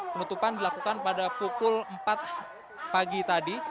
penutupan dilakukan pada pukul empat pagi tadi